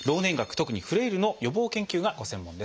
特にフレイルの予防研究がご専門です。